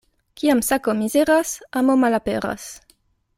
Kiam sako mizeras, amo malaperas.